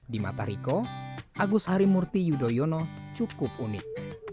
di mata riko agus harimurti yudhoyono cukup unik